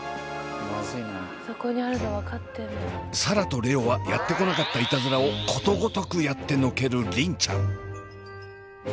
紗蘭と蓮音はやってこなかったイタズラをことごとくやってのける梨鈴ちゃん。